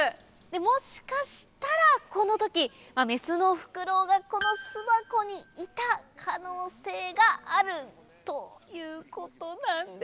もしかしたらこの時メスのフクロウがこの巣箱にいた可能性があるということなんです。